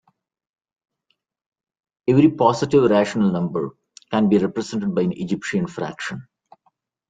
Every positive rational number can be represented by an Egyptian fraction.